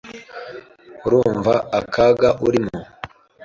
Urumva akaga urimo?